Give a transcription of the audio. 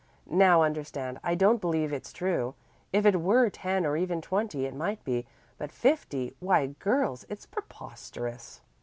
Now understand, I don't believe it's true. If it were ten or even twenty it might be, but fifty why, girls, it's preposterous!"